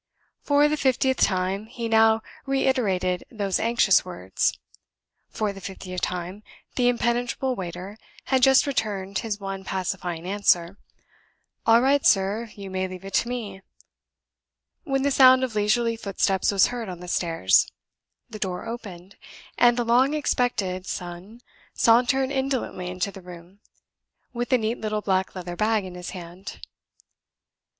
For the fiftieth time, he now reiterated those anxious words. For the fiftieth time, the impenetrable waiter had just returned his one pacifying answer, "All right, sir; you may leave it to me" when the sound of leisurely footsteps was heard on the stairs; the door opened; and the long expected son sauntered indolently into the room, with a neat little black leather bag in his hand.